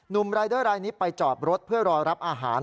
รายเดอร์รายนี้ไปจอดรถเพื่อรอรับอาหาร